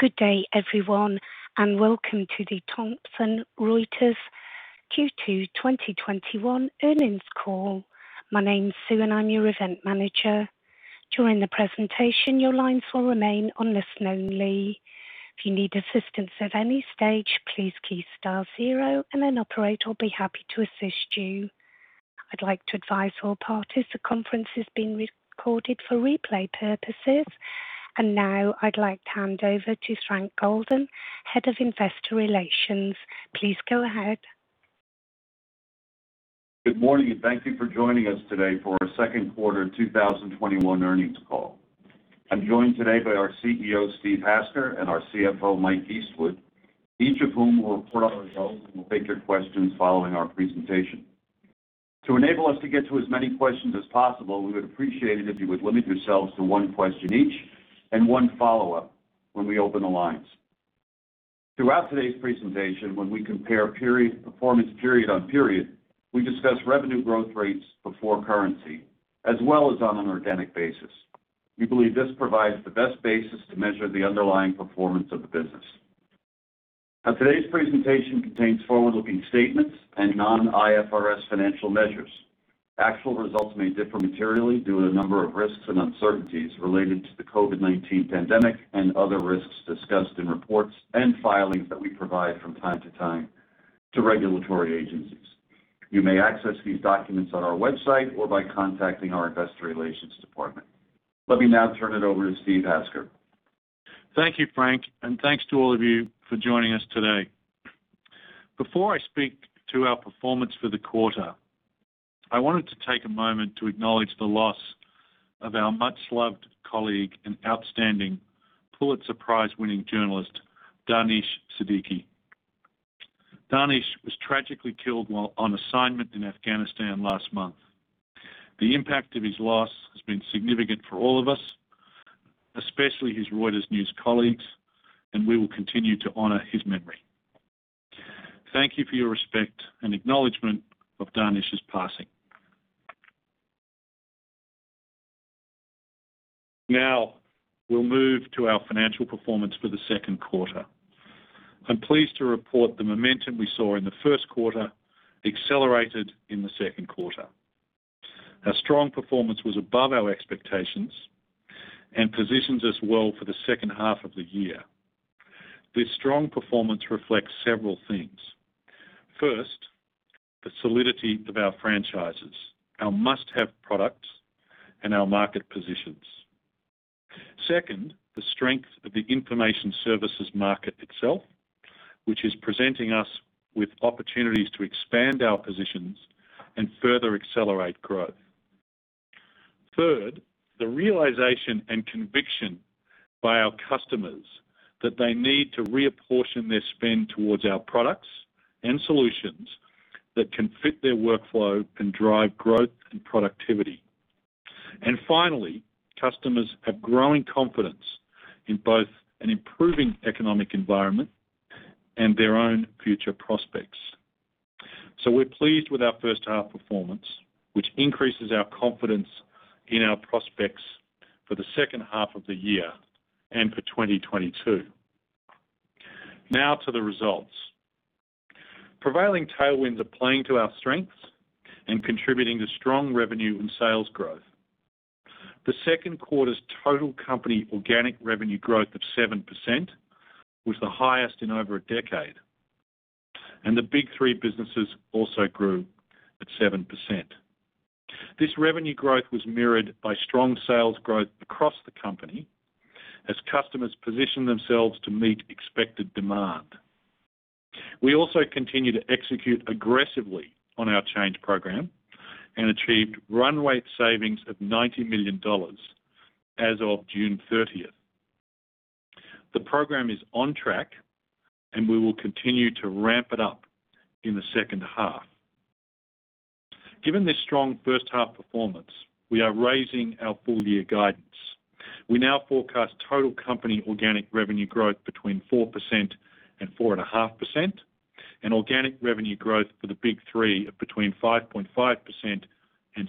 Good day, everyone, and welcome to the Thomson Reuters Q2 2021 earnings call. My name's Sue and I'm your event manager. During the presentation, your lines will remain on listen only. If you need assistance at any stage, please key star zero and an operator will be happy to assist you. I'd like to advise all parties, the conference is being recorded for replay purposes. Now I'd like to hand over to Frank Golden, Head of Investor Relations. Please go ahead. Good morning. Thank you for joining us today for our second quarter 2021 earnings call. I'm joined today by our CEO, Steve Hasker, and our CFO, Mike Eastwood, each of whom will report on results and will take your questions following our presentation. To enable us to get to as many questions as possible, we would appreciate it if you would limit yourselves to one question each and one follow-up when we open the lines. Throughout today's presentation, when we compare performance period on period, we discuss revenue growth rates before currency, as well as on an organic basis. We believe this provides the best basis to measure the underlying performance of the business. Today's presentation contains forward-looking statements and non-IFRS financial measures. Actual results may differ materially due to a number of risks and uncertainties related to the COVID-19 pandemic and other risks discussed in reports and filings that we provide from time to time to regulatory agencies. You may access these documents on our website or by contacting our investor relations department. Let me now turn it over to Steve Hasker. Thank you, Frank, and thanks to all of you for joining us today. Before I speak to our performance for the quarter, I wanted to take a moment to acknowledge the loss of our much-loved colleague and outstanding Pulitzer Prize-winning journalist, Danish Siddiqui. Danish was tragically killed while on assignment in Afghanistan last month. The impact of his loss has been significant for all of us, especially his Reuters News colleagues, and we will continue to honor his memory. Thank you for your respect and acknowledgement of Danish's passing. Now, we'll move to our financial performance for the second quarter. I'm pleased to report the momentum we saw in the first quarter accelerated in the second quarter. Our strong performance was above our expectations and positions us well for the second half of the year. This strong performance reflects several things. First, the solidity of our franchises, our must-have products, and our market positions. Second, the strength of the information services market itself, which is presenting us with opportunities to expand our positions and further accelerate growth. Third, the realization and conviction by our customers that they need to reapportion their spend towards our products and solutions that can fit their workflow and drive growth and productivity. Finally, customers have growing confidence in both an improving economic environment and their own future prospects. We're pleased with our first-half performance, which increases our confidence in our prospects for the second half of the year and for 2022. Now to the results. Prevailing tailwinds are playing to our strengths and contributing to strong revenue and sales growth. The second quarter's total company organic revenue growth of 7% was the highest in over a decade, and the Big 3 businesses also grew at 7%. This revenue growth was mirrored by strong sales growth across the company as customers positioned themselves to meet expected demand. We also continue to execute aggressively on our change program and achieved run-rate savings of $90 million as of June 30th. The program is on track, and we will continue to ramp it up in the second half. Given this strong first-half performance, we are raising our full year guidance. We now forecast total company organic revenue growth between 4% and 4.5%, and organic revenue growth for the Big 3 of between 5.5% and 6%.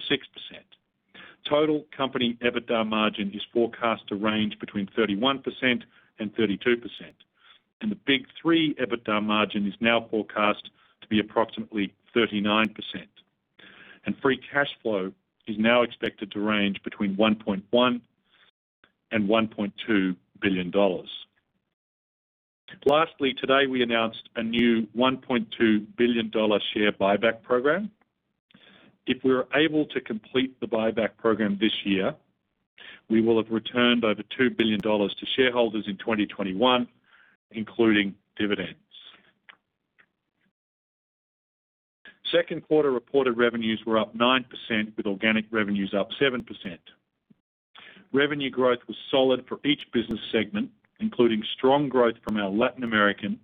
Total company EBITDA margin is forecast to range between 31% and 32%, and the Big 3 EBITDA margin is now forecast to be approximately 39%. Free cash flow is now expected to range between $1.1 billion and $1.2 billion. Lastly, today, we announced a new $1.2 billion share buyback program. If we are able to complete the buyback program this year, we will have returned over $2 billion to shareholders in 2021, including dividends. Second quarter reported revenues were up 9% with organic revenues up 7%. Revenue growth was solid for each business segment, including strong growth from our Latin American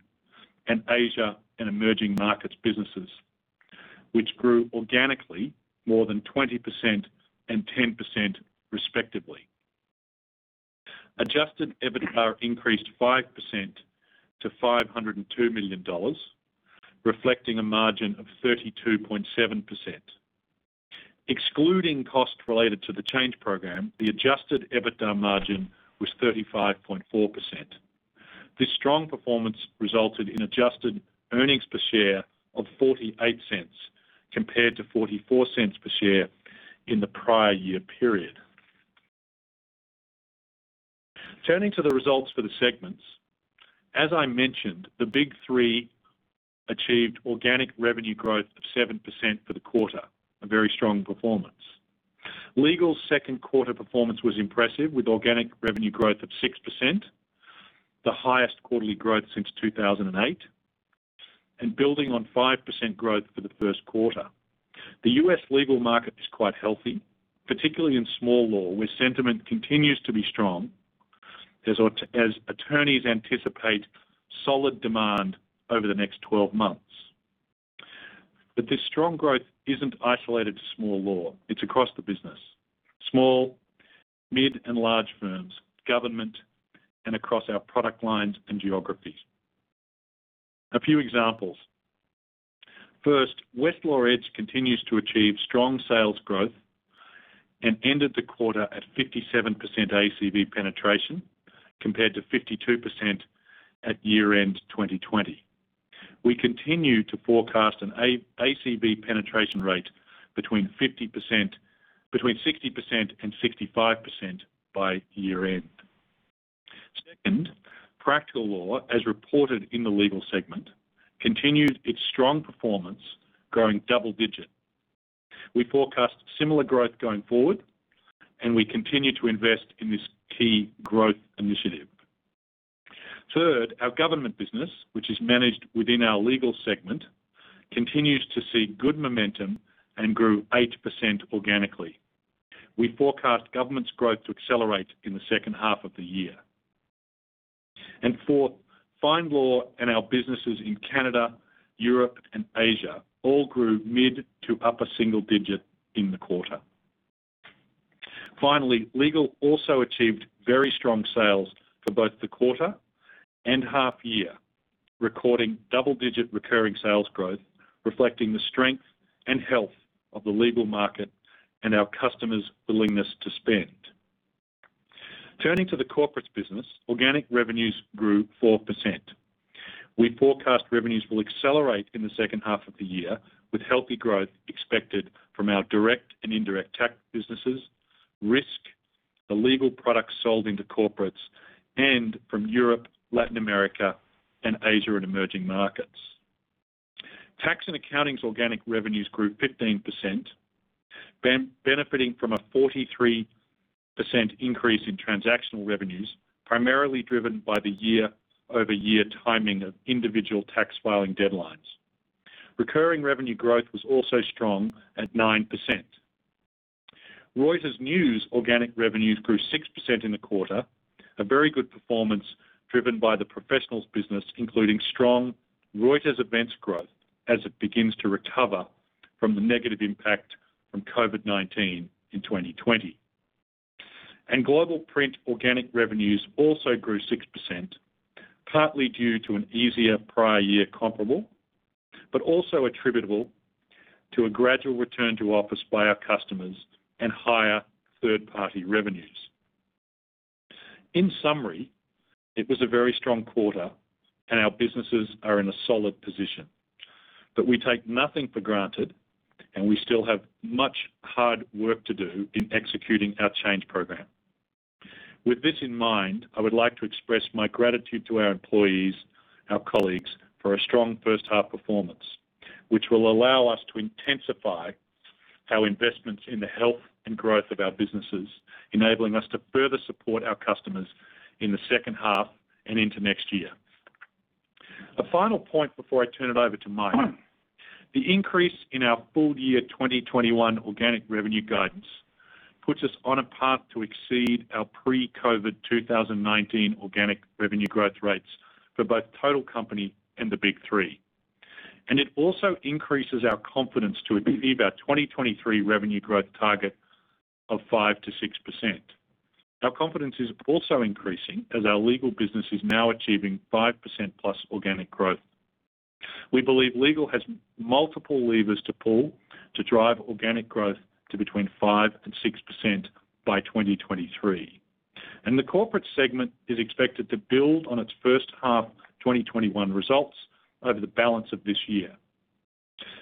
and Asia and emerging markets businesses, which grew organically more than 20% and 10%, respectively. Adjusted EBITDA increased 5% to $502 million, reflecting a margin of 32.7%. Excluding costs related to the change program, the adjusted EBITDA margin was 35.4%. This strong performance resulted in adjusted earnings per share of $0.48, compared to $0.44 per share in the prior year period. Turning to the results for the segments. As I mentioned, the Big 3 achieved organic revenue growth of 7% for the quarter, a very strong performance. Legal's second quarter performance was impressive, with organic revenue growth of 6%, the highest quarterly growth since 2008, and building on 5% growth for the first quarter. The U.S. legal market is quite healthy, particularly in small law, where sentiment continues to be strong as attorneys anticipate solid demand over the next 12 months. This strong growth isn't isolated to small law. It's across the business. Small, mid, and large firms, government, and across our product lines and geographies. A few examples. First, Westlaw Edge continues to achieve strong sales growth and ended the quarter at 57% ACV penetration, compared to 52% at year-end 2020. We continue to forecast an ACV penetration rate between 60% and 65% by year end. Second, Practical Law, as reported in the Legal segment, continued its strong performance, growing double-digit. We forecast similar growth going forward, and we continue to invest in this key growth initiative. Third, our Government business, which is managed within our Legal segment, continues to see good momentum and grew 8% organically. We forecast Government's growth to accelerate in the second half of the year. Fourth, FindLaw and our businesses in Canada, Europe, and Asia all grew mid-to-upper single-digit in the quarter. Finally, Legal also achieved very strong sales for both the quarter and half year, recording double-digit recurring sales growth, reflecting the strength and health of the legal market and our customers' willingness to spend. Turning to the Corporates business, organic revenues grew 4%. We forecast revenues will accelerate in the second half of the year, with healthy growth expected from our direct and indirect tax businesses, risk, the legal products sold into Corporates, from Europe, Latin America, and Asia, and emerging markets. Tax & Accounting's organic revenues grew 15%, benefiting from a 43% increase in transactional revenues, primarily driven by the year-over-year timing of individual tax filing deadlines. Recurring revenue growth was also strong at 9%. Reuters News organic revenues grew 6% in the quarter, a very good performance driven by the professionals business, including strong Reuters Events growth as it begins to recover from the negative impact from COVID-19 in 2020. Global Print organic revenues also grew 6%, partly due to an easier prior year comparable, but also attributable to a gradual return to office by our customers and higher third-party revenues. In summary, it was a very strong quarter, and our businesses are in a solid position. We take nothing for granted, and we still have much hard work to do in executing our change program. With this in mind, I would like to express my gratitude to our employees, our colleagues, for a strong first-half performance, which will allow us to intensify our investments in the health and growth of our businesses, enabling us to further support our customers in the second half and into next year. A final point before I turn it over to Mike. The increase in our full year 2021 organic revenue guidance puts us on a path to exceed our pre-COVID-19 2019 organic revenue growth rates for both total company and the Big 3. It also increases our confidence to achieve our 2023 revenue growth target of 5%-6%. Our confidence is also increasing as our Legal is now achieving 5%+ organic growth. We believe Legal has multiple levers to pull to drive organic growth to between 5%-6% by 2023. The Corporates segment is expected to build on its first half 2021 results over the balance of this year.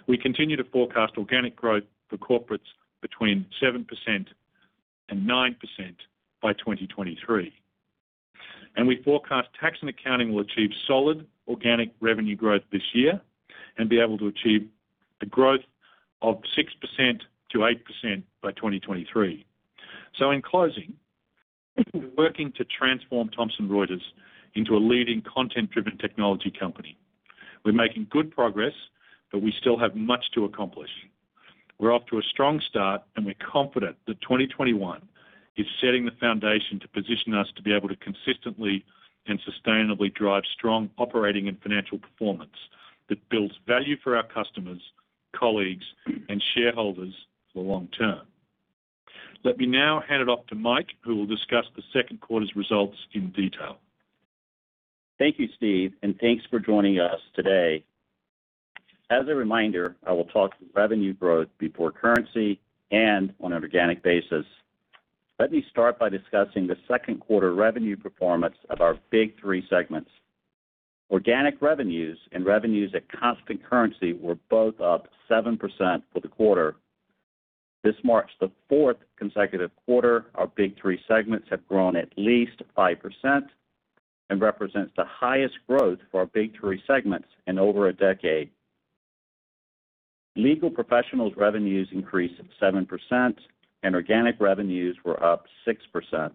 We continue to forecast organic growth for Corporates between 7%-9% by 2023. We forecast Tax & Accounting will achieve solid organic revenue growth this year and be able to achieve the growth of 6%-8% by 2023. In closing, we're working to transform Thomson Reuters into a leading content-driven technology company. We're making good progress, but we still have much to accomplish. We're off to a strong start, we're confident that 2021 is setting the foundation to position us to be able to consistently and sustainably drive strong operating and financial performance that builds value for our customers, colleagues, and shareholders for the long term. Let me now hand it off to Mike Eastwood, who will discuss the second quarter's results in detail. Thank you, Steve, and thanks for joining us today. As a reminder, I will talk revenue growth before currency and on an organic basis. Let me start by discussing the second quarter revenue performance of our Big 3 segments. Organic revenues and revenues at constant currency were both up 7% for the quarter. This marks the fourth consecutive quarter our Big 3 segments have grown at least 5% and represents the highest growth for our Big 3 segments in over a decade. Legal Professionals revenues increased 7%, and organic revenues were up 6%.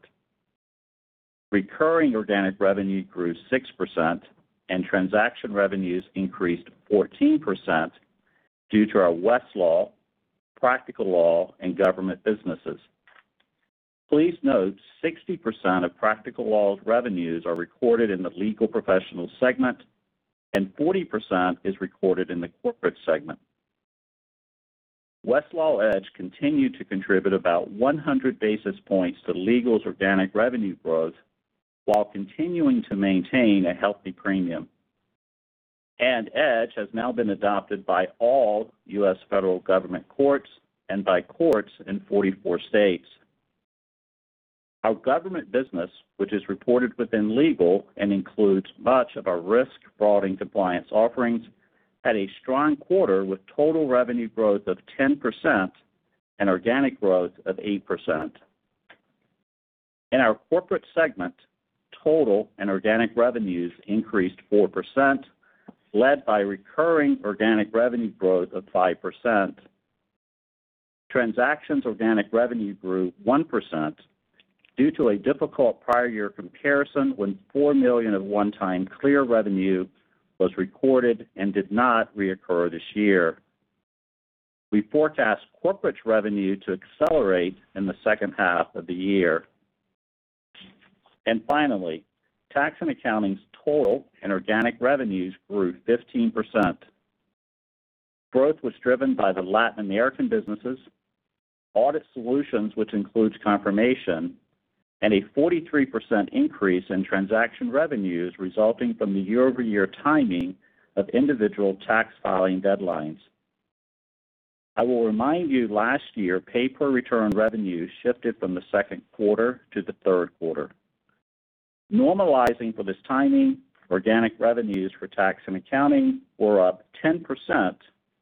Recurring organic revenue grew 6%, and transaction revenues increased 14% due to our Westlaw, Practical Law, and government businesses. Please note 60% of Practical Law's revenues are recorded in the Legal Professionals segment, and 40% is recorded in the Corporates segment. Westlaw Edge continued to contribute about 100 basis points to Legal's organic revenue growth while continuing to maintain a healthy premium. Edge has now been adopted by all U.S. federal government courts and by courts in 44 states. Our government business, which is reported within Legal and includes much of our risk, fraud, and compliance offerings, had a strong quarter with total revenue growth of 10% and organic growth of 8%. In our Corporates Segment, total and organic revenues increased 4%, led by recurring organic revenue growth of 5%. Transactions organic revenue grew 1% due to a difficult prior year comparison when $4 million of one-time CLEAR revenue was recorded and did not reoccur this year. We forecast Corporates revenue to accelerate in the second half of the year. Finally, Tax and Accounting's total and organic revenues grew 15%. Growth was driven by the Latin American businesses, audit solutions, which includes Confirmation, and a 43% increase in transaction revenues resulting from the year-over-year timing of individual Tax and Accounting filing deadlines. I will remind you, last year, pay-per-return revenue shifted from the second quarter to the third quarter. Normalizing for this timing, organic revenues for Tax and Accounting were up 10%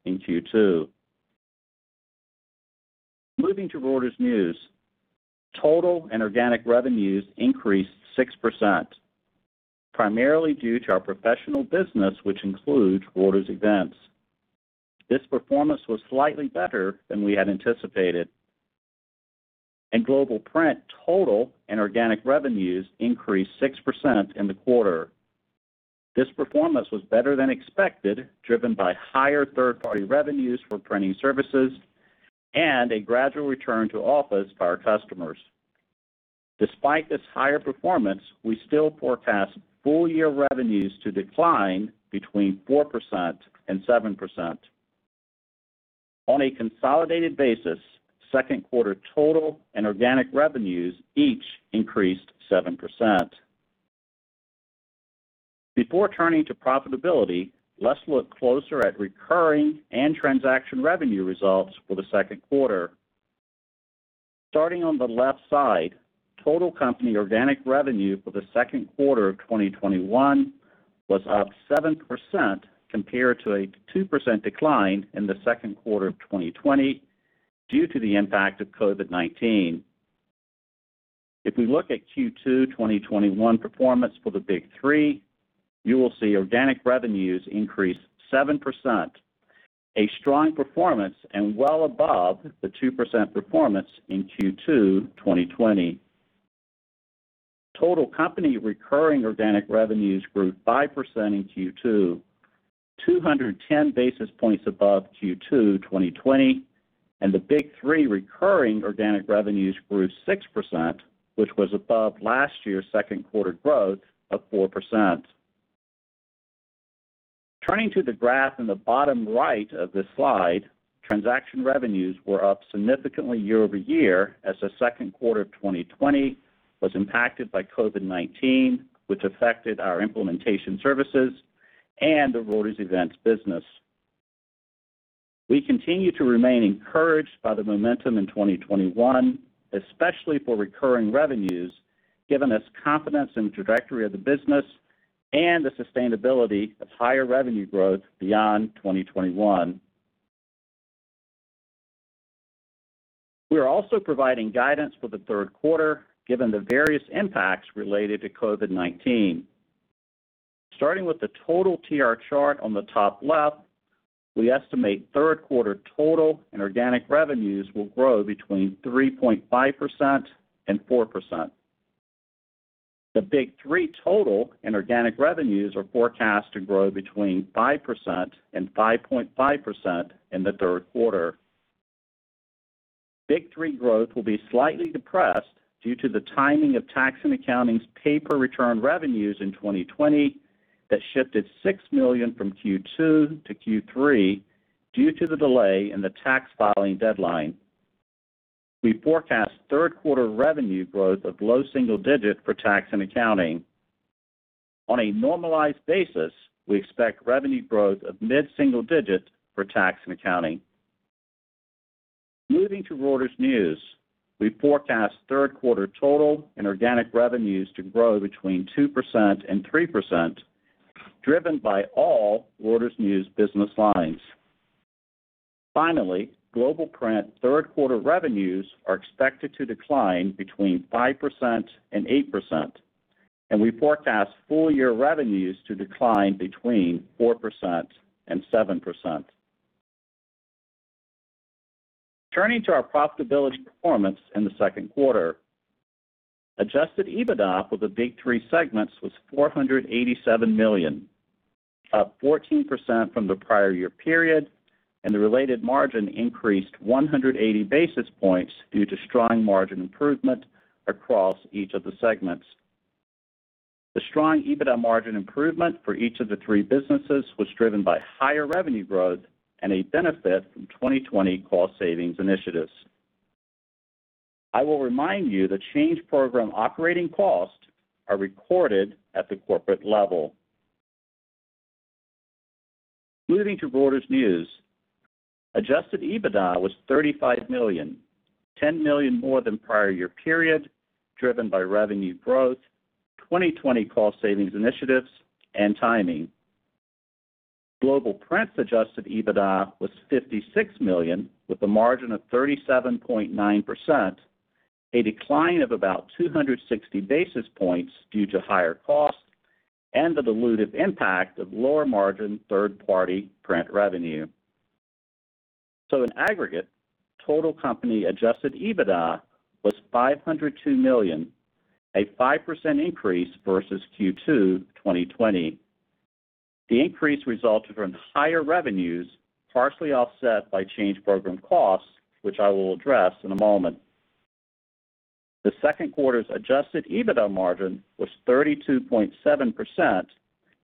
in Q2. Moving to Reuters News, total and organic revenues increased 6%, primarily due to our professional business, which includes Reuters events. This performance was slightly better than we had anticipated. In Global Print, total and organic revenues increased 6% in the quarter. This performance was better than expected, driven by higher third-party revenues for printing services and a gradual return to office by our customers. Despite this higher performance, we still forecast full-year revenues to decline between 4%-7%. On a consolidated basis, second quarter total and organic revenues each increased 7%. Before turning to profitability, let's look closer at recurring and transaction revenue results for the second quarter. Starting on the left side, total company organic revenue for the second quarter of 2021 was up 7% compared to a 2% decline in the second quarter of 2020 due to the impact of COVID-19. If we look at Q2 2021 performance for the Big 3, you will see organic revenues increased 7%, a strong performance and well above the 2% performance in Q2 2020. Total company recurring organic revenues grew 5% in Q2, 210 basis points above Q2 2020, and the Big 3 recurring organic revenues grew 6%, which was above last year's second quarter growth of 4%. Turning to the graph in the bottom right of this slide, transaction revenues were up significantly year-over-year as the second quarter of 2020 was impacted by COVID-19, which affected our implementation services and the Reuters events business. We continue to remain encouraged by the momentum in 2021, especially for recurring revenues, given its confidence in the trajectory of the business and the sustainability of higher revenue growth beyond 2021. We are also providing guidance for the third quarter given the various impacts related to COVID-19. Starting with the total TR chart on the top left, we estimate third quarter total and organic revenues will grow between 3.5%-4%. The Big 3 total and organic revenues are forecast to grow between 5%-5.5% in the third quarter. Big 3 growth will be slightly depressed due to the timing of Tax & Accounting's pay-per-return revenues in 2020 that shifted $6 million from Q2 to Q3 due to the delay in the tax filing deadline. We forecast third quarter revenue growth of low single digit for Tax & Accounting. On a normalized basis, we expect revenue growth of mid single digit for Tax & Accounting. Moving to Reuters News, we forecast third quarter total and organic revenues to grow between 2%-3%, driven by all Reuters News business lines. Finally, Global Print third quarter revenues are expected to decline between 5%-8%, and we forecast full year revenues to decline between 4%-7%. Turning to our profitability performance in the second quarter, adjusted EBITDA for the Big 3 segments was $487 million, up 14% from the prior year period, and the related margin increased 180 basis points due to strong margin improvement across each of the segments. The strong EBITDA margin improvement for each of the three businesses was driven by higher revenue growth and a benefit from 2020 cost savings initiatives. I will remind you that change program operating costs are recorded at the corporate level. Moving to Reuters News, adjusted EBITDA was $35 million, $10 million more than prior year period, driven by revenue growth, 2020 cost savings initiatives, and timing. Global Print adjusted EBITDA was $56 million, with a margin of 37.9%, a decline of about 260 basis points due to higher costs and the dilutive impact of lower margin third-party print revenue. In aggregate, total company adjusted EBITDA was $502 million, a 5% increase versus Q2 2020. The increase resulted from higher revenues, partially offset by change program costs, which I will address in a moment. The second quarter's adjusted EBITDA margin was 32.7%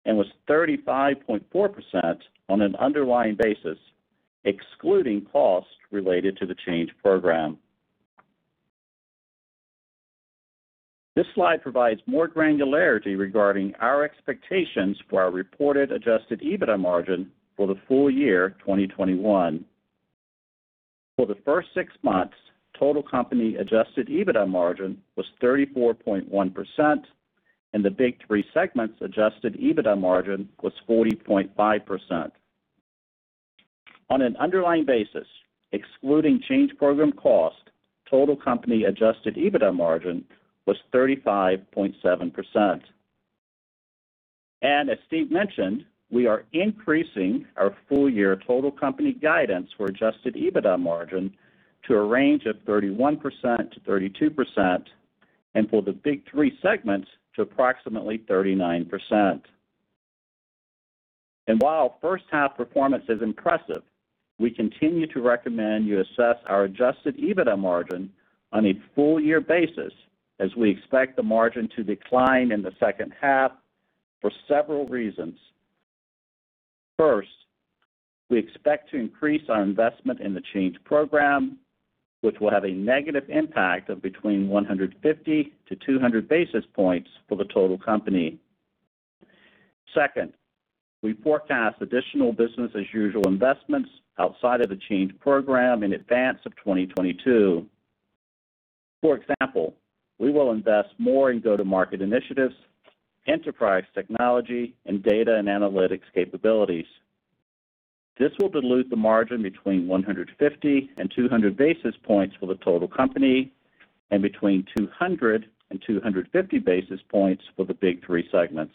and was 35.4% on an underlying basis, excluding costs related to the change program. This slide provides more granularity regarding our expectations for our reported adjusted EBITDA margin for the full year 2021. For the first six months, total company adjusted EBITDA margin was 34.1%, and the Big 3 segments adjusted EBITDA margin was 40.5%. On an underlying basis, excluding change program cost, total company adjusted EBITDA margin was 35.7%. As Steve mentioned, we are increasing our full year total company guidance for adjusted EBITDA margin to a range of 31%-32%, and for the Big 3 segments to approximately 39%. While first half performance is impressive, we continue to recommend you assess our adjusted EBITDA margin on a full year basis as we expect the margin to decline in the second half for several reasons. First, we expect to increase our investment in the Change Program, which will have a negative impact of between 150-200 basis points for the total company. Second, we forecast additional business as usual investments outside of the Change Program in advance of 2022. For example, we will invest more in go-to-market initiatives, enterprise technology, and data and analytics capabilities. This will dilute the margin between 150 and 200 basis points for the total company and between 200 and 250 basis points for the Big 3 segments.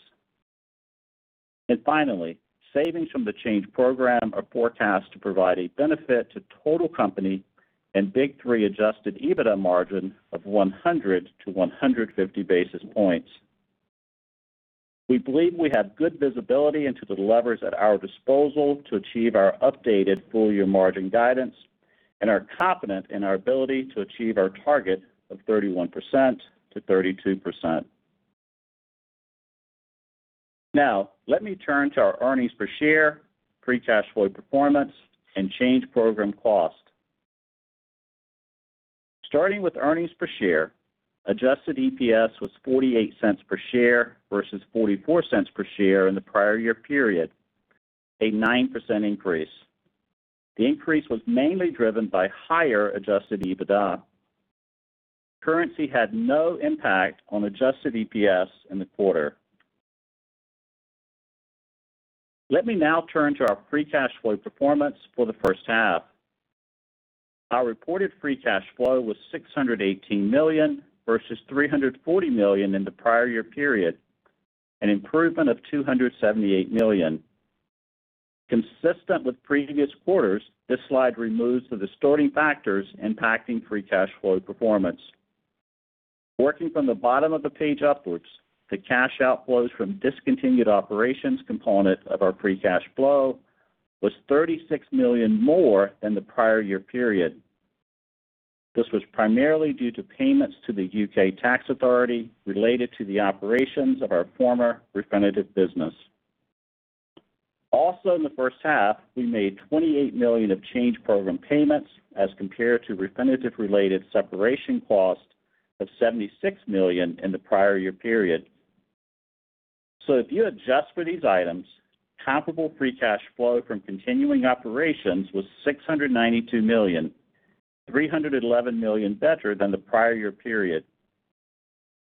Finally, savings from the change program are forecast to provide a benefit to total company and Big 3 adjusted EBITDA margin of 100 to 150 basis points. We believe we have good visibility into the levers at our disposal to achieve our updated full year margin guidance and are confident in our ability to achieve our target of 31%-32%. Now, let me turn to our earnings per share, free cash flow performance, and change program cost. Starting with earnings per share, adjusted EPS was $0.48 per share versus $0.44 per share in the prior year period, a 9% increase. The increase was mainly driven by higher adjusted EBITDA. Currency had no impact on adjusted EPS in the quarter. Let me now turn to our free cash flow performance for the first half. Our reported free cash flow was $618 million, versus $340 million in the prior year period, an improvement of $278 million. Consistent with previous quarters, this slide removes the distorting factors impacting free cash flow performance. Working from the bottom of the page upwards, the cash outflows from discontinued operations component of our free cash flow was $36 million more than the prior year period. This was primarily due to payments to the U.K. tax authority related to the operations of our former Refinitiv business. In the first half, we made $28 million of change program payments as compared to Refinitiv-related separation cost of $76 million in the prior year period. If you adjust for these items, comparable free cash flow from continuing operations was $692 million, $311 million better than the prior year period.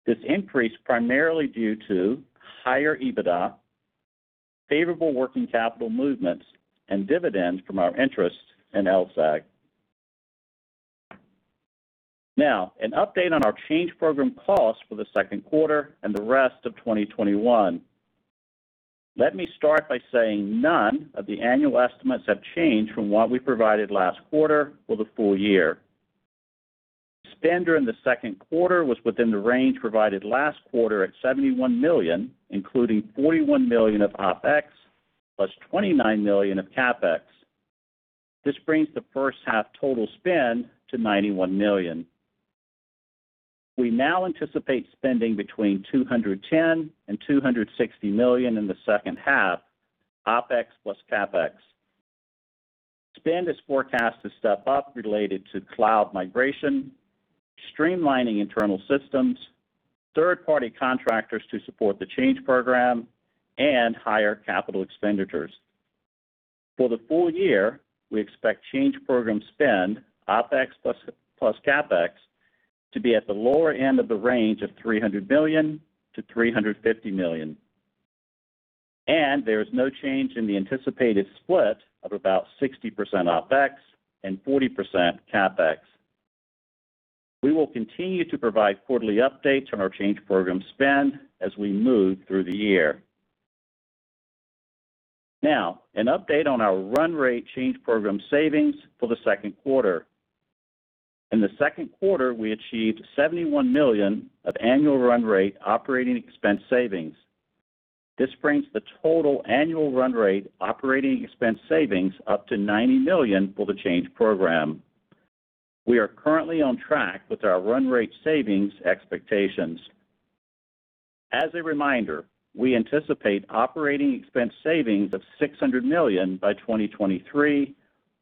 This increase primarily due to higher EBITDA, favorable working capital movements, and dividends from our interest in LSEG. An update on our Change Program costs for Q2 and the rest of 2021. Let me start by saying none of the annual estimates have changed from what we provided last quarter for the full year. Spend during Q2 was within the range provided last quarter at $71 million, including $41 million of OpEx + $29 million of CapEx. This brings the first half total spend to $91 million. We now anticipate spending between $210 million and $260 million in the second half, OpEx + CapEx. Spend is forecast to step up related to cloud migration, streamlining internal systems, third-party contractors to support the Change Program, and higher capital expenditures. For the full year, we expect change program spend, OpEx + CapEx, to be at the lower end of the range of $300 million-$350 million. There is no change in the anticipated split of about 60% OpEx and 40% CapEx. We will continue to provide quarterly updates on our change program spend as we move through the year. An update on our run rate change program savings for the second quarter. In the second quarter, we achieved $71 million of annual run rate operating expense savings. This brings the total annual run rate operating expense savings up to $90 million for the change program. We are currently on track with our run rate savings expectations. As a reminder, we anticipate operating expense savings of $600 million by 2023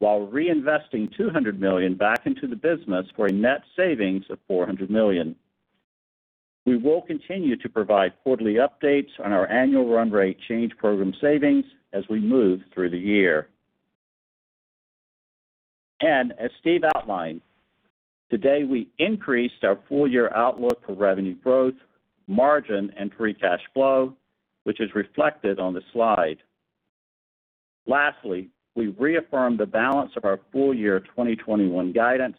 while reinvesting $200 million back into the business for a net savings of $400 million. We will continue to provide quarterly updates on our annual run rate change program savings as we move through the year. As Steve outlined, today, we increased our full-year outlook for revenue growth, margin, and free cash flow, which is reflected on the slide. Lastly, we reaffirm the balance of our full-year 2021 guidance,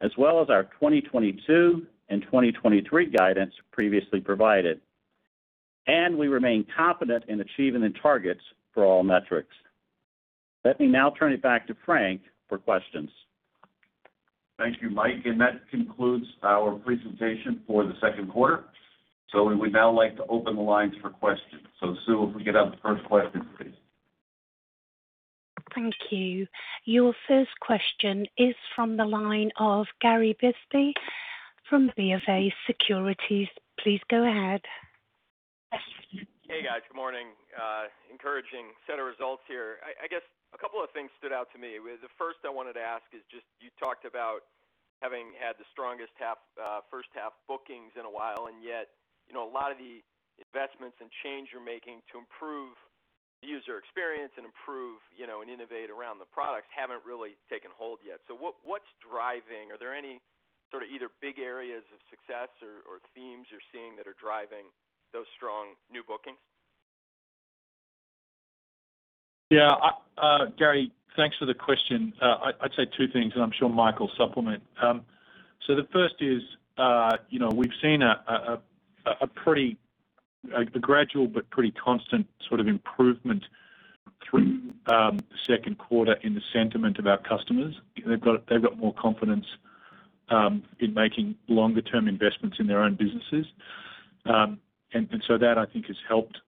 as well as our 2022 and 2023 guidance previously provided. We remain confident in achieving the targets for all metrics. Let me now turn it back to Frank for questions. Thank you, Mike. That concludes our presentation for the second quarter. We would now like to open the lines for questions. Sue, if we could have the first question, please. Thank you. Your first question is from the line of Gary Bisbee from BofA Securities. Please go ahead. Hey, guys. Good morning. Encouraging set of results here. I guess a couple of things stood out to me. The first I wanted to ask is just you talked about having had the strongest first half bookings in a while, and yet a lot of the investments and change you're making to improve the user experience and improve and innovate around the products haven't really taken hold yet. What's driving? Are there any either big areas of success or themes you're seeing that are driving those strong new bookings? Gary, thanks for the question. I'd say two things, and I'm sure Mike will supplement. The first is we've seen a gradual but pretty constant sort of improvement through the second quarter in the sentiment of our customers. They've got more confidence in making longer-term investments in their own businesses. That, I think, has helped.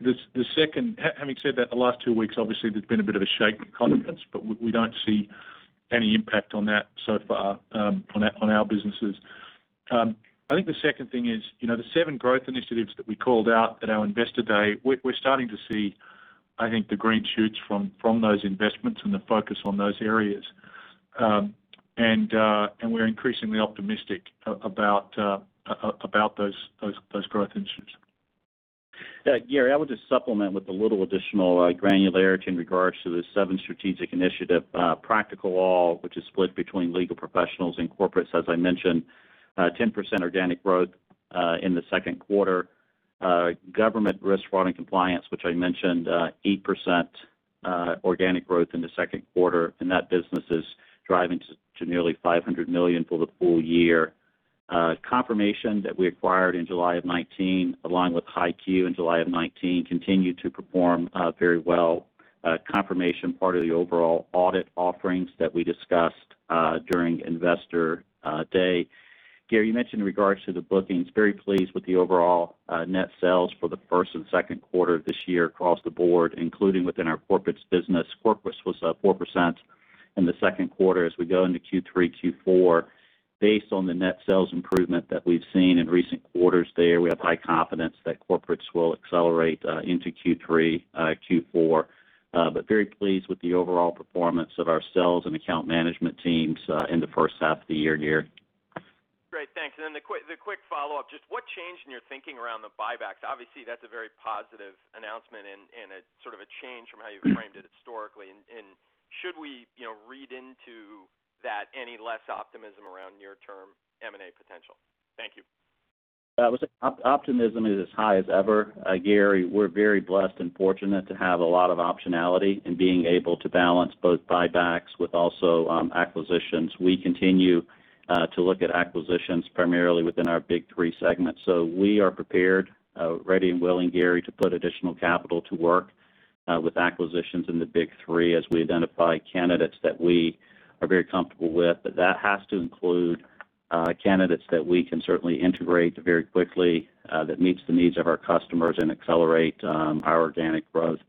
Having said that, the last two weeks, obviously, there's been a bit of a shake in confidence, but we don't see any impact on that so far on our businesses. I think the second thing is the seven growth initiatives that we called out at our Investor Day, we're starting to see, I think, the green shoots from those investments and the focus on those areas. We're increasingly optimistic about those growth initiatives. Gary, I would just supplement with a little additional granularity in regards to the seven strategic initiative. Practical Law, which is split between Legal Professionals and Corporates, as I mentioned, 10% organic growth in the second quarter. Government Risk, Fraud, and Compliance, which I mentioned, 8% organic growth in the second quarter. That business is driving to nearly $500 million for the full year. Confirmation that we acquired in July of 2019, along with HighQ in July of 2019, continued to perform very well. Confirmation, part of the overall audit offerings that we discussed during Investor Day. Gary, you mentioned in regards to the bookings, very pleased with the overall net sales for the first and second quarter this year across the board, including within our Corporates business. Corporates was 4%. In the second quarter as we go into Q3, Q4, based on the net sales improvement that we've seen in recent quarters there, we have high confidence that Corporates will accelerate into Q3, Q4. Very pleased with the overall performance of our sales and account management teams in the first half of the year, Gary. Great. Thanks. The quick follow-up, just what changed in your thinking around the buybacks? Obviously, that's a very positive announcement and a change from how you've framed it historically. Should we read into that any less optimism around near-term M&A potential? Thank you. Listen, optimism is as high as ever, Gary Bisbee. We're very blessed and fortunate to have a lot of optionality in being able to balance both buybacks with also acquisitions. We continue to look at acquisitions primarily within our Big 3 segments. We are prepared, ready, and willing, Gary, to put additional capital to work with acquisitions in the Big 3 as we identify candidates that we are very comfortable with. That has to include candidates that we can certainly integrate very quickly, that meets the needs of our customers and accelerate our organic growth.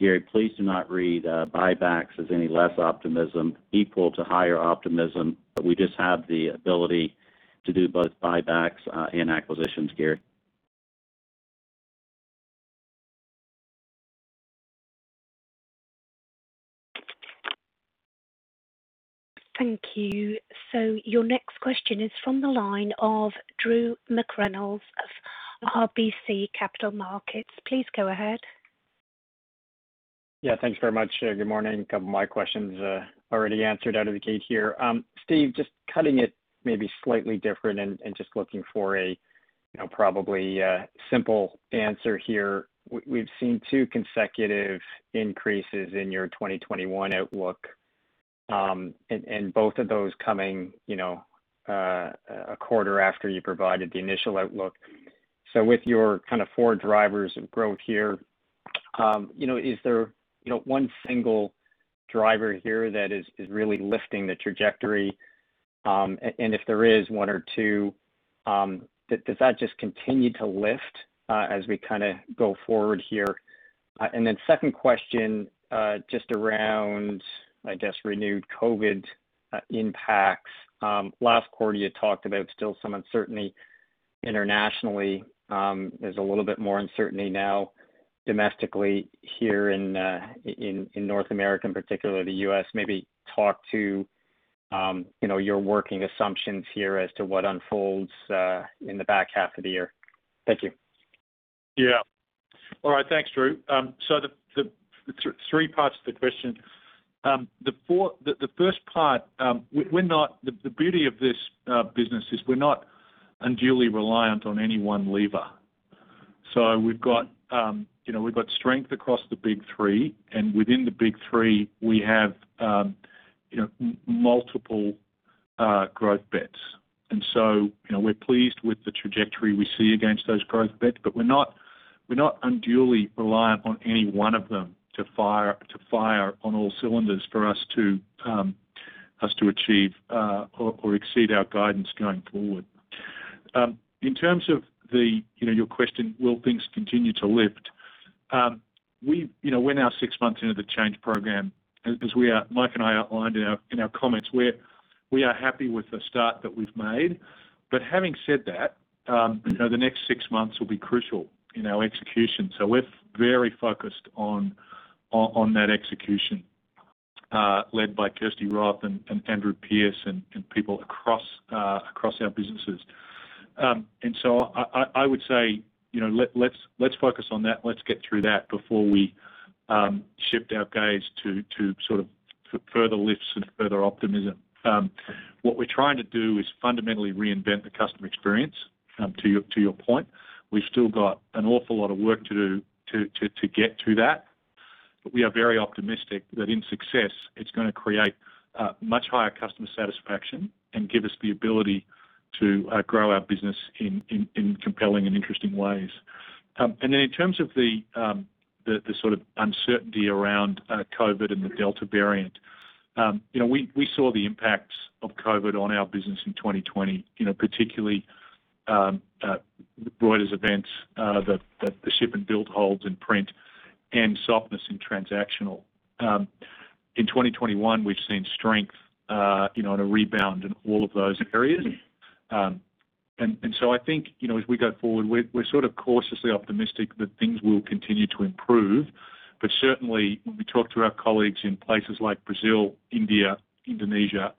Gary, please do not read buybacks as any less optimism, equal to higher optimism, but we just have the ability to do both buybacks and acquisitions, Gary. Thank you. Your next question is from the line of Drew McReynolds of RBC Capital Markets. Please go ahead. Yeah, thanks very much. Good morning. A couple of my questions already answered out of the gate here. Steve, just cutting it maybe slightly different and just looking for a probably simple answer here. We've seen two consecutive increases in your 2021 outlook, and both of those coming a quarter after you provided the initial outlook. With your four drivers of growth here, is there one single driver here that is really lifting the trajectory? If there is one or two, does that just continue to lift as we go forward here? Second question, just around, I guess, renewed COVID impacts. Last quarter, you talked about still some uncertainty internationally. There's a little bit more uncertainty now domestically here in North America, and particularly the U.S. Maybe talk to your working assumptions here as to what unfolds in the back half of the year. Thank you Yeah. All right. Thanks, Drew. The three parts to the question. The first part, the beauty of this business is we're not unduly reliant on any one lever. We've got strength across the Big 3, and within the Big 3, we have multiple growth bets. We're pleased with the trajectory we see against those growth bets, but we're not unduly reliant on any one of them to fire on all cylinders for us to achieve or exceed our guidance going forward. In terms of your question, will things continue to lift? We're now six months into the change program, as Mike and I outlined in our comments. We are happy with the start that we've made. Having said that, the next six months will be crucial in our execution. We're very focused on that execution, led by Kirsty Roth and Andrew Pearce, and people across our businesses. I would say, let's focus on that. Let's get through that before we shift our gaze to further lifts and further optimism. What we're trying to do is fundamentally reinvent the customer experience, to your point. We've still got an awful lot of work to do to get to that. We are very optimistic that in success, it's going to create much higher customer satisfaction and give us the ability to grow our business in compelling and interesting ways. In terms of the uncertainty around COVID and the Delta variant, we saw the impacts of COVID on our business in 2020, particularly Reuters events, the ship and bill holds in print, and softness in transactional. In 2021, we've seen strength and a rebound in all of those areas. I think as we go forward, we're cautiously optimistic that things will continue to improve. Certainly, when we talk to our colleagues in places like Brazil, India, Indonesia,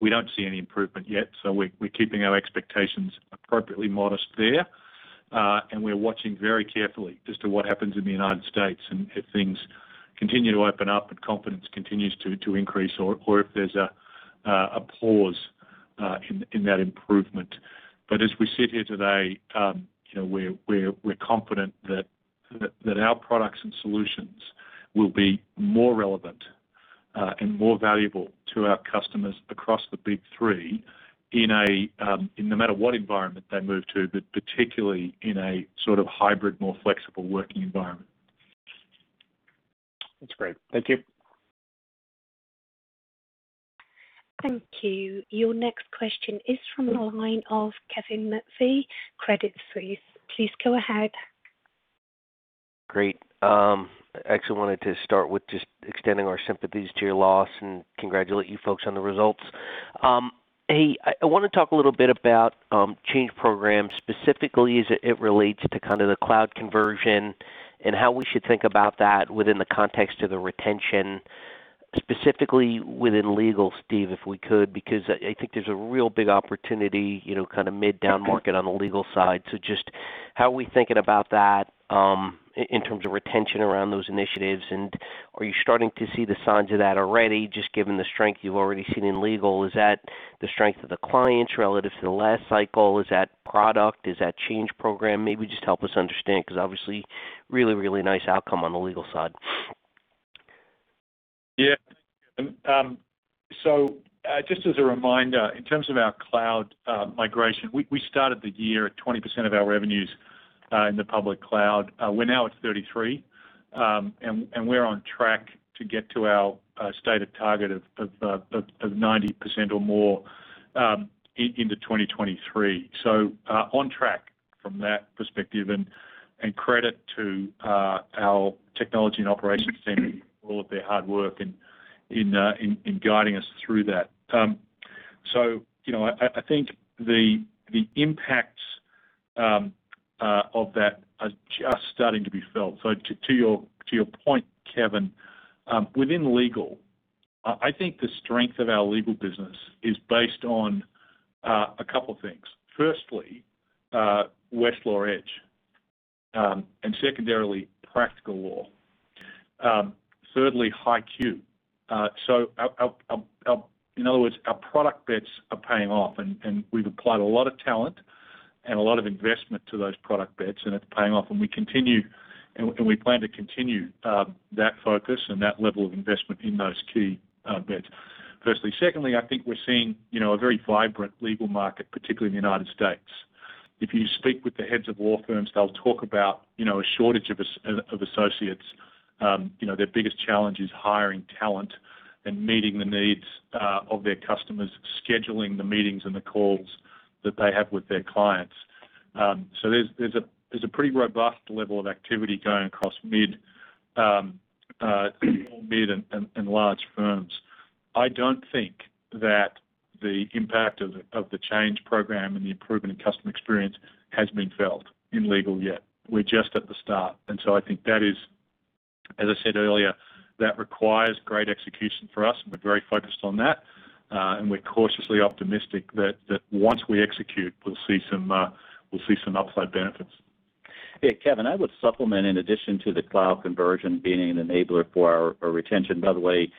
we don't see any improvement yet. We're keeping our expectations appropriately modest there. We're watching very carefully as to what happens in the U.S. and if things continue to open up and confidence continues to increase or if there's a pause in that improvement. As we sit here today, we're confident that our products and solutions will be more relevant and more valuable to our customers across the Big 3 no matter what environment they move to, but particularly in a hybrid, more flexible working environment. That's great. Thank you. Thank you. Your next question is from the line of Kevin McVeigh, Credit Suisse. Please go ahead. Great. I actually wanted to start with just extending our sympathies to your loss and congratulate you folks on the results. Hey, I want to talk a little bit about change programs, specifically as it relates to kind of the cloud conversion and how we should think about that within the context of the retention, specifically within legal, Steve, if we could, because I think there's a real big opportunity, kind of mid downmarket on the legal side. Just how are we thinking about that in terms of retention around those initiatives, and are you starting to see the signs of that already, just given the strength you've already seen in legal? Is that the strength of the clients relative to the last cycle? Is that product? Is that change program? Maybe just help us understand, because obviously, really nice outcome on the legal side. Yeah. Just as a reminder, in terms of our cloud migration, we started the year at 20% of our revenues in the public cloud. We're now at 33%, and we're on track to get to our stated target of 90% or more into 2023. On track from that perspective, and credit to our technology and operations team for all of their hard work in guiding us through that. I think the impacts of that are just starting to be felt. To your point, Kevin, within legal, I think the strength of our legal business is based on a couple things. Firstly, Westlaw Edge, and secondarily, Practical Law. Thirdly, HighQ. In other words, our product bets are paying off, and we've applied a lot of talent and a lot of investment to those product bets, and it's paying off, and we plan to continue that focus and that level of investment in those key bets, firstly. Secondly, I think we're seeing a very vibrant legal market, particularly in the U.S. If you speak with the heads of law firms, they'll talk about a shortage of associates. Their biggest challenge is hiring talent and meeting the needs of their customers, scheduling the meetings and the calls that they have with their clients. There's a pretty robust level of activity going across mid and large firms. I don't think that the impact of the change program and the improvement in customer experience has been felt in legal yet. We're just at the start. I think that is, as I said earlier, that requires great execution for us, and we're very focused on that. We're cautiously optimistic that once we execute, we'll see some upside benefits. Yeah, Kevin McVeigh, I would supplement, in addition to the cloud conversion being an enabler for our retention. By the way,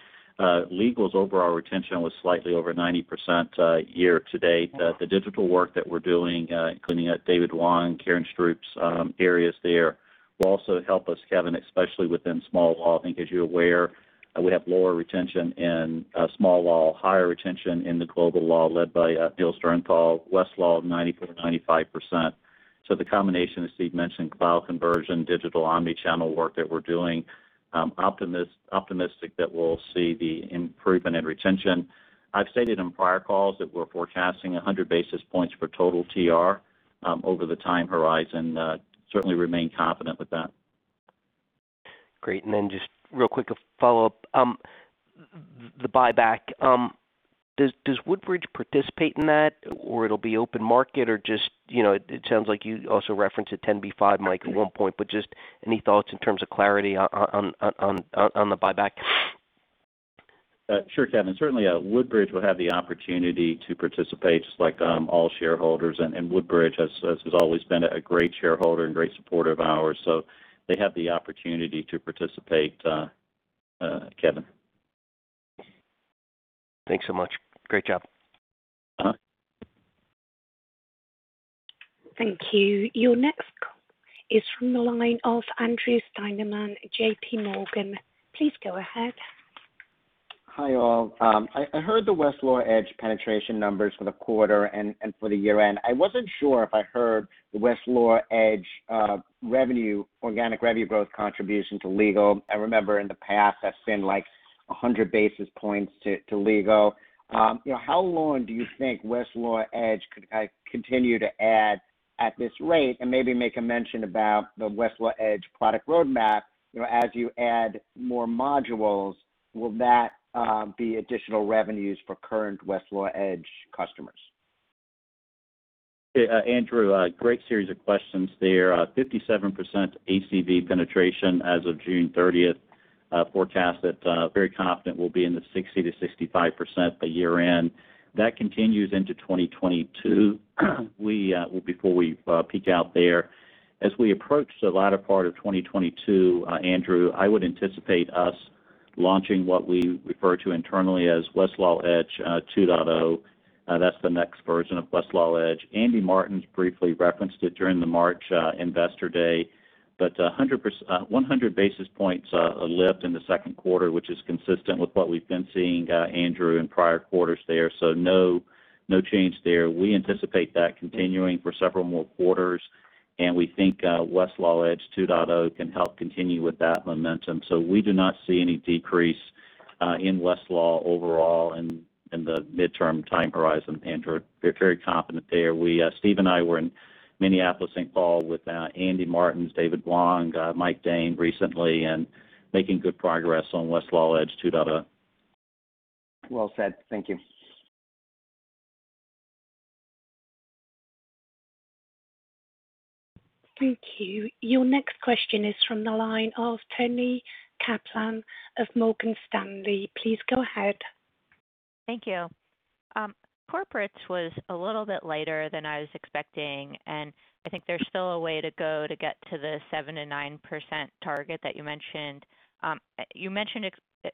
Legal Professionals' overall retention was slightly over 90% year-to-date. The digital work that we're doing, including David Wong, Karen Stroup's areas there, will also help us, Kevin McVeigh, especially within small law. I think as you're aware, we have lower retention in small law, higher retention in the Global and Large Law led by Neil Sternthal. Westlaw, 94%-95%. The combination, as Steve Hasker mentioned, cloud conversion, digital omni-channel work that we're doing, optimistic that we'll see the improvement in retention. I've stated on prior calls that we're forecasting 100 basis points for total Thomson Reuters over the time horizon. Certainly remain confident with that. Great. Just real quick, a follow-up. The buyback. Does Woodbridge participate in that, or it'll be open market? It sounds like you also referenced a Rule 10b5-1 at one point. Just any thoughts in terms of clarity on the buyback? Sure, Kevin. Certainly, Woodbridge will have the opportunity to participate just like all shareholders, and Woodbridge has always been a great shareholder and great supporter of ours. They have the opportunity to participate, Kevin. Thanks so much. Great job. Thank you. Your next call is from the line of Andrew Steinerman, JPMorgan. Please go ahead. Hi, all. I heard the Westlaw Edge penetration numbers for the quarter and for the year-end. I wasn't sure if I heard the Westlaw Edge organic revenue growth contribution to Legal. I remember in the past that's been, like, 100 basis points to Legal. How long do you think Westlaw Edge could continue to add at this rate? Maybe make a mention about the Westlaw Edge product roadmap. As you add more modules, will that be additional revenues for current Westlaw Edge customers? Yeah, Andrew, great series of questions there. 57% ACV penetration as of June 30th. Forecast that very confident we'll be in the 60%-65% by year-end. That continues into 2022 before we peak out there. As we approach the latter part of 2022, Andrew, I would anticipate us launching what we refer to internally as Westlaw Edge 2.0. That's the next version of Westlaw Edge. Andy Martens briefly referenced it during the March Investor Day. 100 basis points lift in the second quarter, which is consistent with what we've been seeing, Andrew, in prior quarters there. No change there. We anticipate that continuing for several more quarters, and we think Westlaw Edge 2.0 can help continue with that momentum. We do not see any decrease in Westlaw overall, in the midterm time horizon, Andrew. We're very confident there. Steve and I were in Minneapolis, St. Paul with Andy Martens, David Wong, Mike Dahn recently, and making good progress on Westlaw Edge 2.0. Well said. Thank you. Thank you. Your next question is from the line of Toni Kaplan of Morgan Stanley. Please go ahead. Thank you. Corporates was a little bit lighter than I was expecting, I think there's still a way to go to get to the 7%-9% target that you mentioned. You mentioned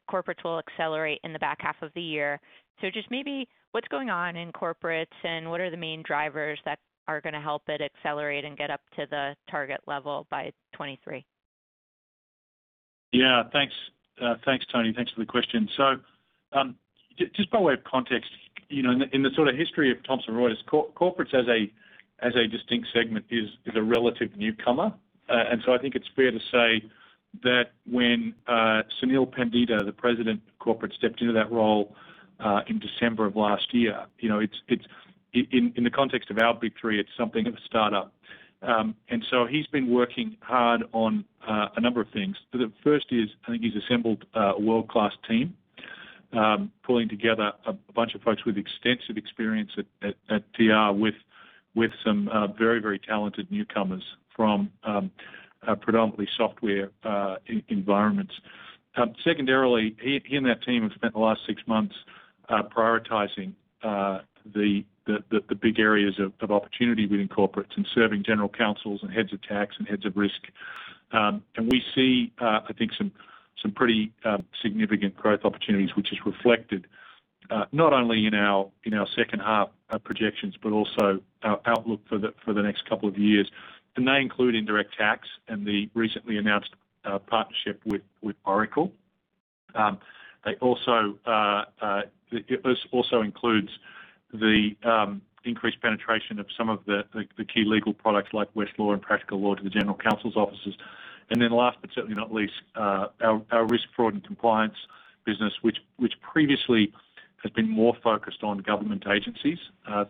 Corporates will accelerate in the back half of the year. Just maybe what's going on in Corporates and what are the main drivers that are going to help it accelerate and get up to the target level by 2023? Yeah. Thanks, Toni. Thanks for the question. Just by way of context, in the sort of history of Thomson Reuters, Corporates as a distinct segment is a relative newcomer. I think it's fair to say that when Sunil Pandita, the President of Corporates, stepped into that role, in December of last year, in the context of our Big 3, it's something of a startup. He's been working hard on a number of things. The first is, I think he's assembled a world-class team, pulling together a bunch of folks with extensive experience at TR with some very talented newcomers from predominantly software environments. Secondarily, he and that team have spent the last six months prioritizing the big areas of opportunity within Corporates and serving general counsels and heads of tax and heads of risk. We see, I think, some pretty significant growth opportunities, which is reflected not only in our second half projections, but also our outlook for the next couple of years. They include indirect tax and the recently announced partnership with Oracle. This also includes the increased penetration of some of the key legal products like Westlaw and Practical Law to the general counsel's offices. Last, but certainly not least, our risk, fraud and compliance business, which previously has been more focused on government agencies,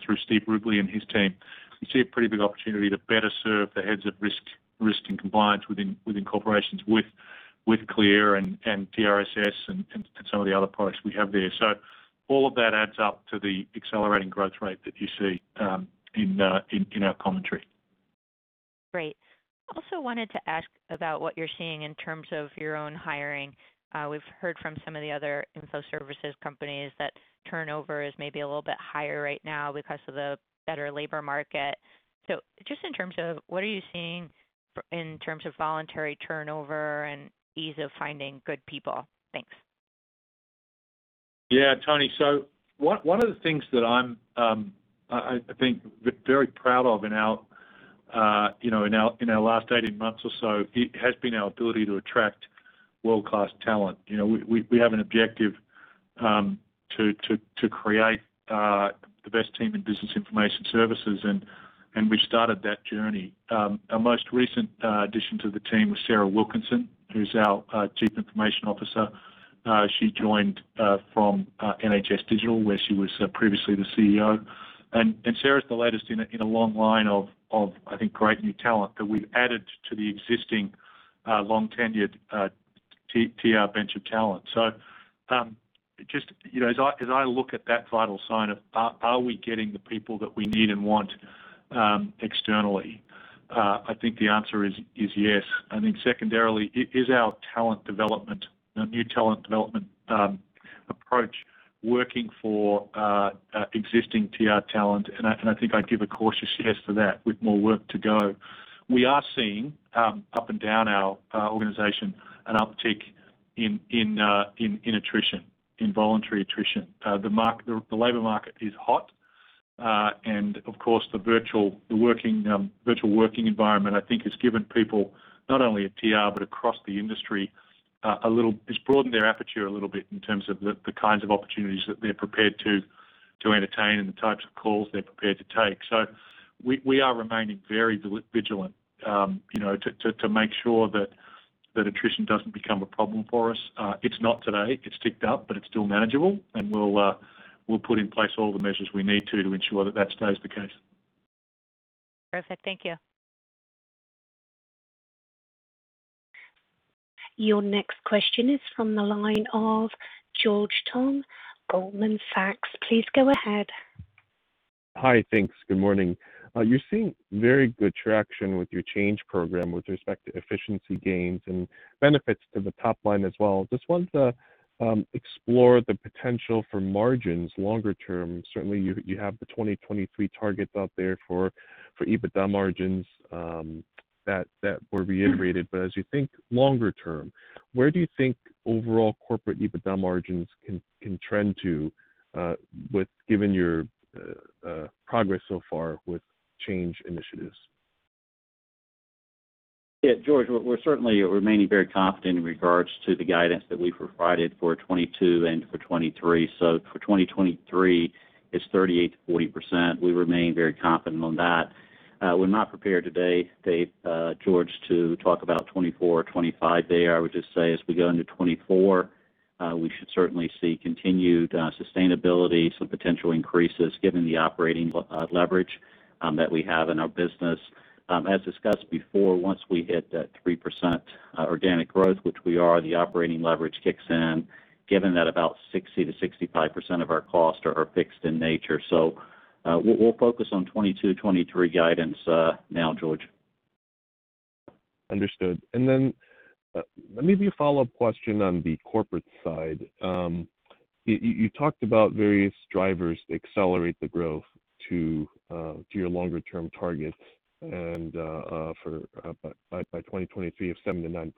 through Steve Rubley and his team. We see a pretty big opportunity to better serve the heads of risk and compliance within corporations with CLEAR and TRSS and some of the other products we have there. All of that adds up to the accelerating growth rate that you see in our commentary. Great. Also wanted to ask about what you're seeing in terms of your own hiring. We've heard from some of the other info services companies that turnover is maybe a little bit higher right now because of the better labor market. Just in terms of what are you seeing in terms of voluntary turnover and ease of finding good people? Thanks. Toni. One of the things that I'm, I think, very proud of in our last 18 months or so, has been our ability to attract world-class talent. We have an objective to create the best team in business information services. We've started that journey. Our most recent addition to the team was Sarah Wilkinson, who's our Chief Information Officer. She joined from NHS Digital, where she was previously the CEO. Sarah's the latest in a long line of, I think, great new talent that we've added to the existing long-tenured TR bench of talent. As I look at that vital sign of are we getting the people that we need and want externally? I think the answer is yes. I think secondarily, is our new talent development approach working for existing TR talent? I think I'd give a cautious yes to that with more work to go. We are seeing up and down our organization an uptick in attrition, in voluntary attrition. The labor market is hot. Of course, the virtual working environment, I think, has given people not only at TR, but across the industry, it's broadened their aperture a little bit in terms of the kinds of opportunities that they're prepared to entertain and the types of calls they're prepared to take. We are remaining very vigilant to make sure that attrition doesn't become a problem for us. It's not today. It's ticked up, but it's still manageable, and we'll put in place all the measures we need to ensure that stays the case. Perfect. Thank you. Your next question is from the line of George Tong, Goldman Sachs. Please go ahead. Hi. Thanks. Good morning. You're seeing very good traction with your change program with respect to efficiency gains and benefits to the top line as well. Just wanted to explore the potential for margins longer term. Certainly, you have the 2023 targets out there for EBITDA margins that were reiterated. As you think longer term, where do you think overall corporate EBITDA margins can trend to given your progress so far with change initiatives? Yeah, George, we're certainly remaining very confident in regards to the guidance that we've provided for 2022 and for 2023. For 2023, it's 38%-40%. We remain very confident on that. We're not prepared today, George, to talk about 2024 or 2025 there. I would just say as we go into 2024, we should certainly see continued sustainability, some potential increases given the operating leverage that we have in our business. As discussed before, once we hit that 3% organic growth, which we are, the operating leverage kicks in, given that about 60%-65% of our costs are fixed in nature. We'll focus on 2022, 2023 guidance now, George. Understood. Then maybe a follow-up question on the Corporates side. You talked about various drivers to accelerate the growth to your longer-term targets by 2023 of 7%-9%.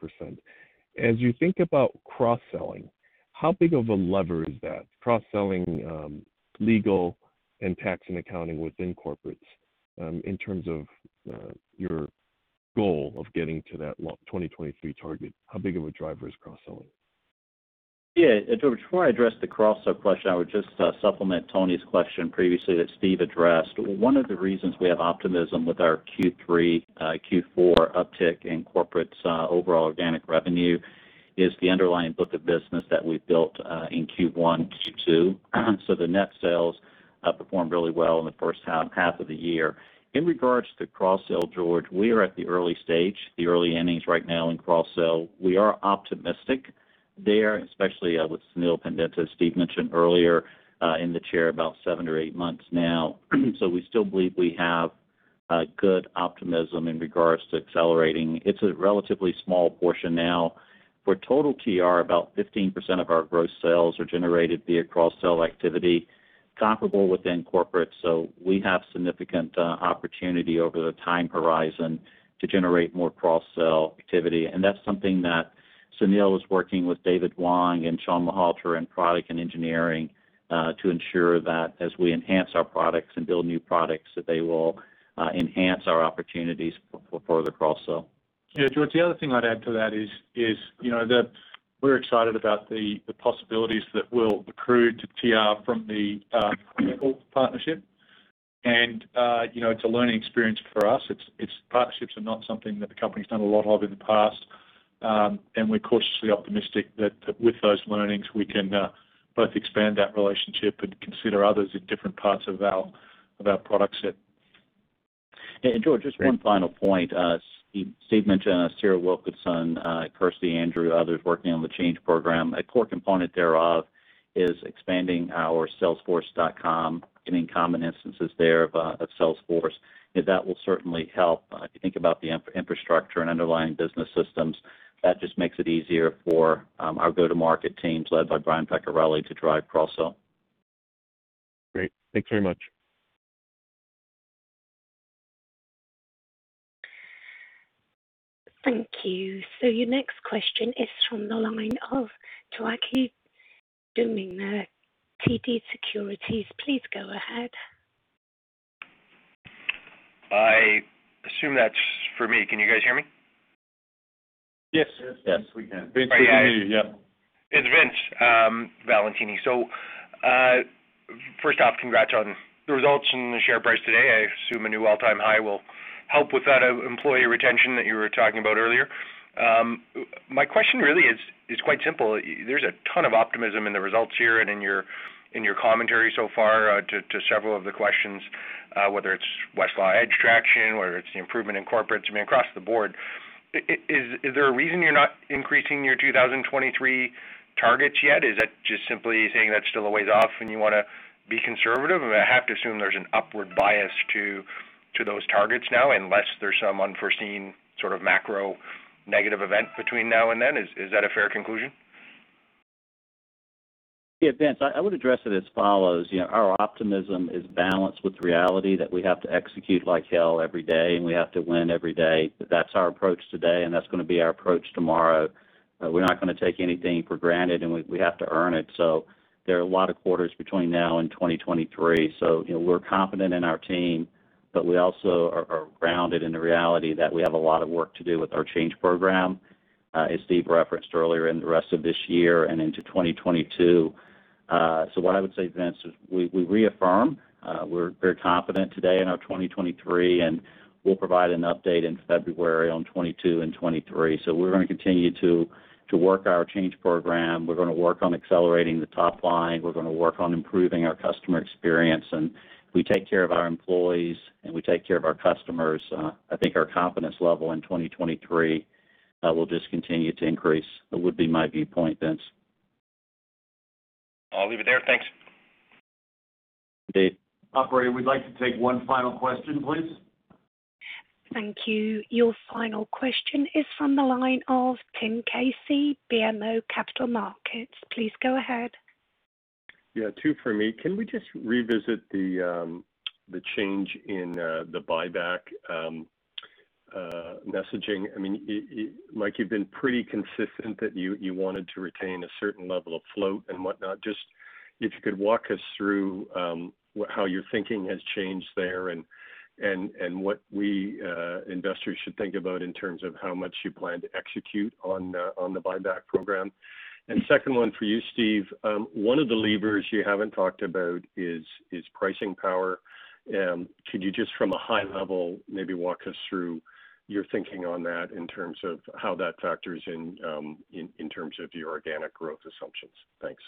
As you think about cross-selling, how big of a lever is that, cross-selling Legal and Tax & Accounting within Corporates, in terms of your goal of getting to that 2023 target? How big of a driver is cross-selling? Yeah. George, before I address the cross-sell question, I would just supplement Toni's question previously that Steve addressed. One of the reasons we have optimism with our Q3, Q4 uptick in Corporates' overall organic revenue is the underlying book of business that we've built in Q1, Q2. The net sales performed really well in the first half of the year. In regards to cross-sell, George, we are at the early stage, the early innings right now in cross-sell. We are optimistic there, especially with Sunil Pandita, Steve mentioned earlier, in the chair about seven or eight months now. We still believe we have good optimism in regards to accelerating. It's a relatively small portion now. For total TR, about 15% of our gross sales are generated via cross-sell activity, comparable within Corporates. We have significant opportunity over the time horizon to generate more cross-sell activity. That's something that Sunil is working with David Wong and Shawn Malhotra in product and engineering to ensure that as we enhance our products and build new products, that they will enhance our opportunities for further cross-sell. Yeah, George, the other thing I'd add to that is that we're excited about the possibilities that will accrue to TR from the Apple partnership. It's a learning experience for us. Partnerships are not something that the company's done a lot of in the past. We're cautiously optimistic that with those learnings, we can both expand that relationship and consider others in different parts of our product set. George, just one final point. Steve mentioned Sarah Wilkinson, Kirsty Roth, others working on the change program. A core component thereof is expanding our Salesforce, getting common instances there of Salesforce. That will certainly help. If you think about the infrastructure and underlying business systems, that just makes it easier for our go-to-market teams, led by Brian Peccarelli, to drive cross-sell. Great. Thanks very much. Thank you. Your next question is from the line of Vince Valentini, TD Securities. Please go ahead. I assume that's for me. Can you guys hear me? Yes. Yes, we can. Vince, we can hear you, yep. It is Vince Valentini. First off, congrats on the results and the share price today. I assume a new all-time high will help with that employee retention that you were talking about earlier. My question really is quite simple. There is a ton of optimism in the results here and in your commentary so far to several of the questions, whether it is Westlaw Edge traction, whether it is the improvement in Corporates, I mean, across the board. Is there a reason you are not increasing your 2023 targets yet? Is that just simply saying that is still a ways off, and you want to be conservative? I have to assume there is an upward bias to those targets now, unless there is some unforeseen sort of macro negative event between now and then. Is that a fair conclusion? Yeah, Vince, I would address it as follows. Our optimism is balanced with reality that we have to execute like hell every day, and we have to win every day. That's our approach today, and that's going to be our approach tomorrow. We're not going to take anything for granted, and we have to earn it. There are a lot of quarters between now and 2023. We're confident in our team, but we also are grounded in the reality that we have a lot of work to do with our change program, as Steve referenced earlier, in the rest of this year and into 2022. What I would say, Vince, is we reaffirm. We're very confident today in our 2023, and we'll provide an update in February on 2022 and 2023. We're going to continue to work our change program. We're going to work on accelerating the top line. We're going to work on improving our customer experience. If we take care of our employees, and we take care of our customers, I think our confidence level in 2023 will just continue to increase, would be my viewpoint, Vince. I'll leave it there. Thanks. Indeed. Operator, we'd like to take one final question, please. Thank you. Your final question is from the line of Tim Casey, BMO Capital Markets. Please go ahead. Yeah, two for me. Can we just revisit the change in the buyback messaging? Mike, you've been pretty consistent that you wanted to retain a certain level of float and whatnot. Just if you could walk us through how your thinking has changed there and what we investors should think about in terms of how much you plan to execute on the buyback program. Second one for you, Steve, one of the levers you haven't talked about is pricing power. Could you just from a high level, maybe walk us through your thinking on that in terms of how that factors in terms of your organic growth assumptions? Thanks.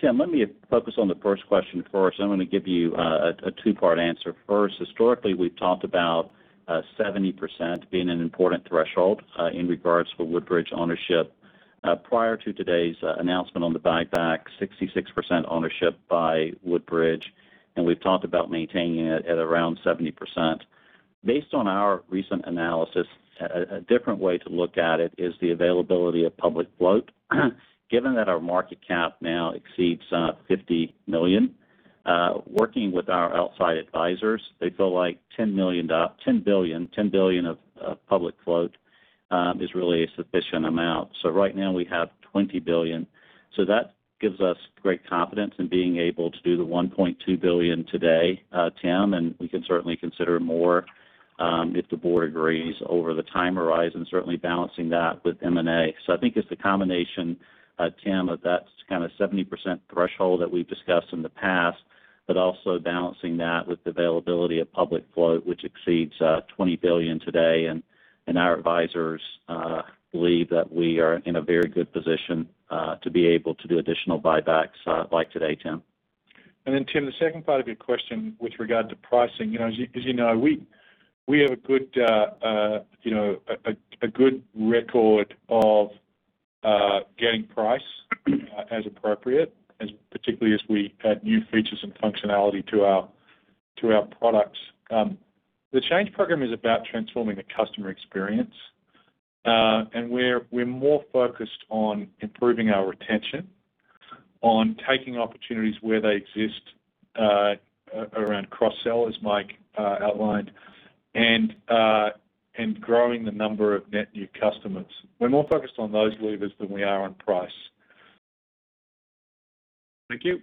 Tim, let me focus on the first question first. I'm going to give you a two-part answer. First, historically, we've talked about 70% being an important threshold in regards for Woodbridge ownership. Prior to today's announcement on the buyback, 66% ownership by Woodbridge. We've talked about maintaining it at around 70%. Based on our recent analysis, a different way to look at it is the availability of public float. Given that our market cap now exceeds $50 million, working with our outside advisors, they feel like $10 billion of public float is really a sufficient amount. Right now we have $20 billion. That gives us great confidence in being able to do the $1.2 billion today, Tim. We can certainly consider more, if the board agrees, over the time horizon, certainly balancing that with M&A. I think it's the combination, Tim, of that kind of 70% threshold that we've discussed in the past, but also balancing that with availability of public float, which exceeds $20 billion today. Our advisors believe that we are in a very good position to be able to do additional buybacks like today, Tim. Tim, the second part of your question with regard to pricing. As you know, we have a good record of getting price as appropriate, particularly as we add new features and functionality to our products. The change program is about transforming the customer experience. We're more focused on improving our retention, on taking opportunities where they exist, around cross-sell, as Mike outlined, and growing the number of net new customers. We're more focused on those levers than we are on price. Thank you.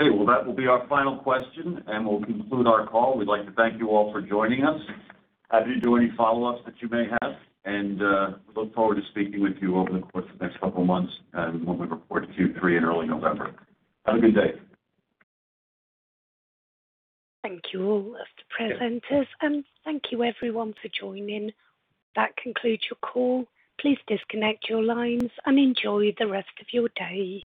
Okay. Well, that will be our final question, and we'll conclude our call. We'd like to thank you all for joining us. Happy to do any follow-ups that you may have, and look forward to speaking with you over the course of the next couple of months as when we report Q3 in early November. Have a good day. Thank you all as the presenters, and thank you everyone for joining. That concludes your call. Please disconnect your lines and enjoy the rest of your day.